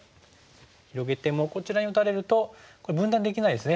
広げてもこちらに打たれるとこれ分断できないですね